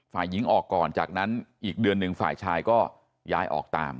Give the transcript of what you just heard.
ฝ่ายหญิงออกก่อนจากนั้นอีกเดือนหนึ่งฝ่ายชายก็ย้ายออกตาม